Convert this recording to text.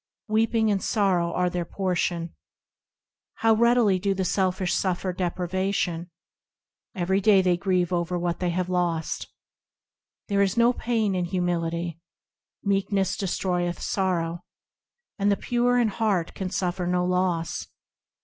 Weeping and sorrow are their portion ; How readily do the selfish suffer deprivation, Every day they grieve over that they have lost. There is no pain in Humility, Meekness destroyeth sorrow, And the pure in heart can suffer no loss.